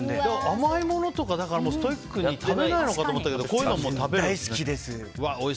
甘いものとかストイックに食べないのかと思ったけど大好きです。